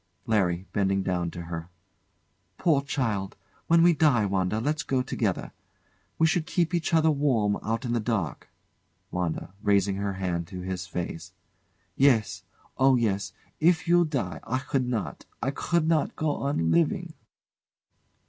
LARRY. [Bending down over her] Poor child! When we die, Wanda, let's go together. We should keep each other warm out in the dark. WANDA. [Raising her hands to his face] Yes! oh, yes! If you die I could not I could not go on living!